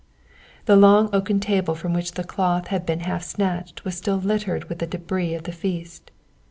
The long oaken table from which the cloth had been half snatched was still littered with the débris of the feast.